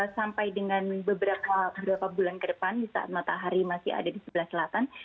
sampai dengan beberapa bulan ke depan di saat matahari masih ada di sebelah selatan